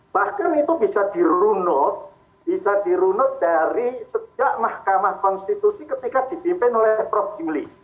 bahkan itu bisa dirunut bisa dirunut dari sejak mahkamah konstitusi ketika dipimpin oleh prof jimli